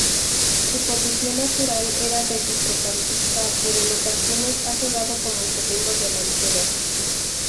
Su posición natural era de centrocampista, pero en ocasiones ha jugado como segundo delantero.